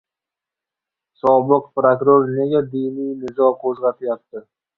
Sobiq prokuror nega diniy nizo qo‘zg‘ayapti?